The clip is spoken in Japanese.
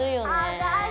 上がる。